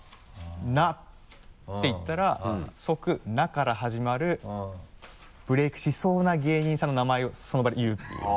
「な」って言ったら即「な」から始まるブレイクしそうな芸人さんの名前をその場で言うっていう。